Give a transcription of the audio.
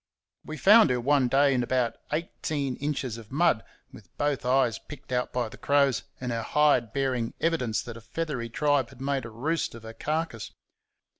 We found her one day in about eighteen inches of mud, with both eyes picked out by the crows, and her hide bearing evidence that a feathery tribe had made a roost of her carcase.